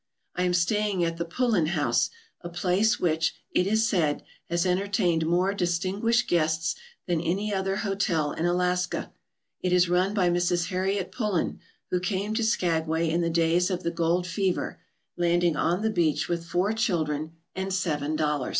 I am staying at the Pullen House, a place which, it is said, has entertained more distinguished guests than any other hotel in Alaska. It is run by Mrs. Harriet Pullen, who came to Skagway in the days of the gold fever, land ing on the beach with four children and seven dollars.